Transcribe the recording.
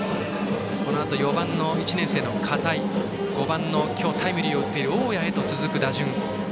このあと、４番の１年生の片井５番の今日タイムリーを打っている大矢へと続く打順。